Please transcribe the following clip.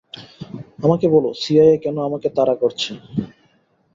আমাকে বল সিআইএ কেন আমাকে তাড়া করছে?